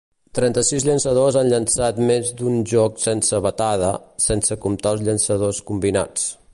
Trenta-sis llançadors han llançat més d'un joc sense batada, sense comptar els llançadors combinats.